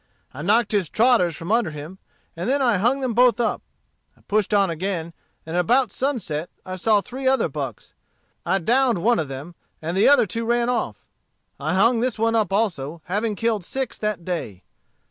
I knocked his trotters from under him, and then I hung them both up. I pushed on again, and about sunset I saw three other bucks. I down'd with one of them, and the other two ran off. I hung this one up also, having killed six that day.